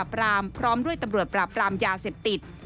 ปรามพร้อมด้วยตำรวจปราบปรามยาเสพติด